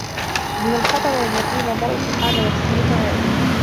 من الخطر أن يكون المرأ في حالة نفسيّة كهذه.